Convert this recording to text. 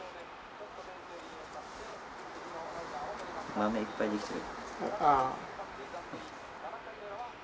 マメいっぱいできとる。